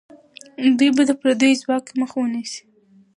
دوی به د پردیو ځواک مخه ونیسي.